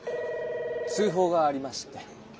通ほうがありまして。